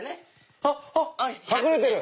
あっ隠れてる！